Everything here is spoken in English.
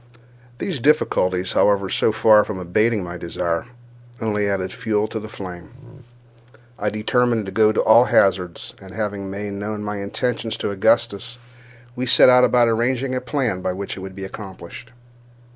These difficulties, however, so far from abating my desire, only added fuel to the flame. I determined to go at all hazards; and, having made known my intentions to Augustus, we set about arranging a plan by which it might be accomplished.